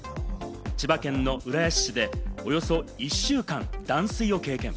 千葉県の浦安市でおよそ１週間、断水を経験。